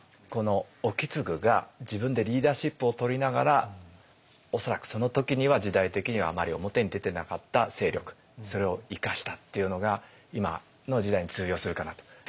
この意次が自分でリーダーシップをとりながら恐らくその時には時代的にはあまり表に出てなかった勢力それを生かしたっていうのが今の時代に通用するかなと。